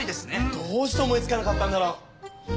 どうして思いつかなかったんだろう。